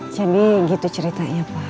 jadi gitu ceritanya pak